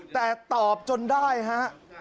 แต่ตอบจนได้ฮะ